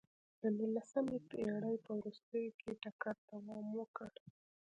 د نولسمې پېړۍ په وروستیو کې ټکر دوام وکړ.